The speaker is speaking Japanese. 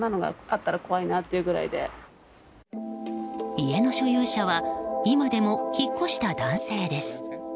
家の所有者は今でも引っ越した男性です。